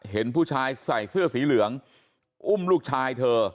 เห็นผู้ชายใส่เสื้อสีเหลืองอุ้มลูกชายเธอ